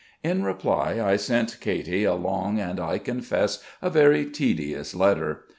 In reply I sent Katy a long and, I confess, a very tedious letter.